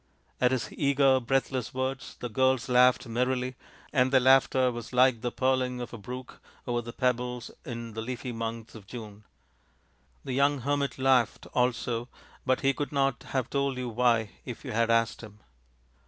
At his eager, breathless words the girls laughed merrily, and their laughter was like the purling of a brook over the pebbles in the leafy month of June. The young hermit laughed also, but he could not have told you why if you had asked him.